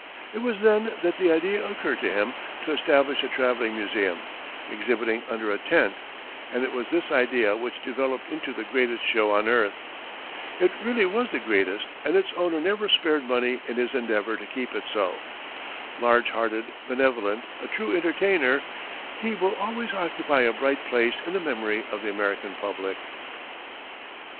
It was then that the idea occurred to him to establish a travelling museum, exhibiting under a tent, and it was this idea which developed into "The Greatest Show on Earth." It really was the greatest and its owner never spared money in his endeavor to keep it so. Large hearted, benevolent, a true entertainer, he will always occupy a bright place in the memory of the American public.